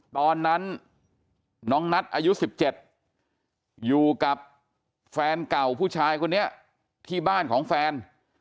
ตอนนั้นน้องนัทอายุ๑๗อยู่กับแฟนเก่าผู้ชายคนนี้ที่บ้านของแฟน